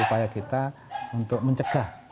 upaya kita untuk mencegah